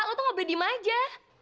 lo tuh gak boleh di maja